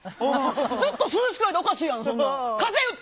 ずっと涼しくないとおかしいやねんか。